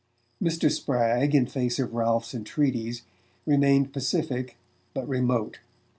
Mr. Spragg, in face of Ralph's entreaties, remained pacific but remote.